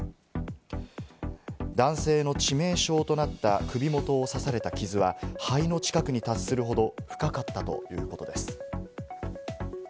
男性の致命傷となった首元を刺された傷は肺の近くに達するほど深かったということです。